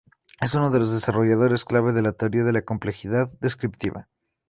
Es uno de los desarrolladores clave de la teoría de la complejidad descriptiva.